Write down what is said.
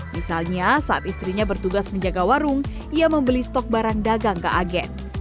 misalnya saat istrinya bertugas menjaga warung ia membeli stok barang dagang ke agen